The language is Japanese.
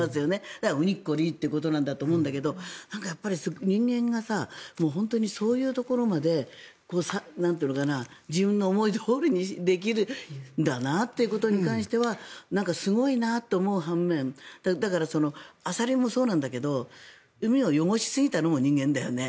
だからウニッコリーということなんだと思うんだけどやっぱり、人間が本当にそういうところまで自分の思いどおりにできるんだなということに関してはなんかすごいなと思う反面だから、アサリもそうなんだけど海を汚しすぎたのも人間だよね。